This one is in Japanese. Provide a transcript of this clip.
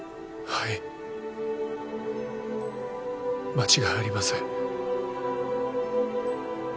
間違いありません。